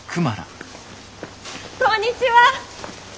こんにちは。